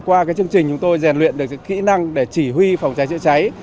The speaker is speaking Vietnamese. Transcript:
qua chương trình chúng tôi rèn luyện được kỹ năng để chỉ huy phòng cháy chữa cháy